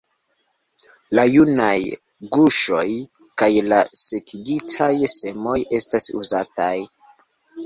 La junaj guŝoj kaj la sekigitaj semoj estas uzataj.